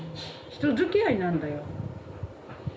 人づきあいなんだよ。